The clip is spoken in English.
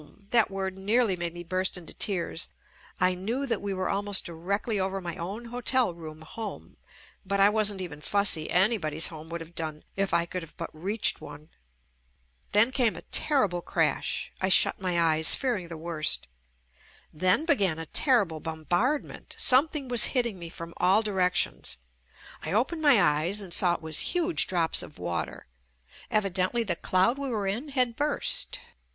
That word nearly made me burst into tears. I knew that we were almost directly over my own hotel room home, but I wasn't even fussy — anybody's home would have done if I could have but reached one. Then came a terrible crash. I shut my eyes, fearing the worst. Then began a terrible bombardment. Something was hitting me from all directions. I opened my eyes and saw it was huge drops of water. Evidently the cloud we were in had burst.